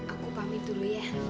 aku pamit dulu ya